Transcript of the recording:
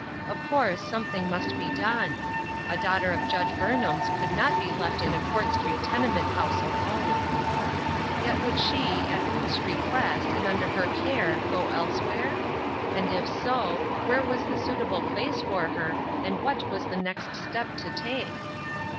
Of course something must be done. A daughter of Judge Burnham's could not be left in a Court Street tenement house alone ! Yet would she, at Ruth's request, and under her care, go elsewhere ? And if so, where was the suitable place for her, and what was the next step to take